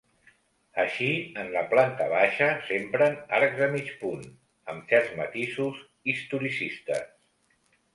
Així, en la planta baixa s'empren arcs de mig punt, amb certs matisos historicistes.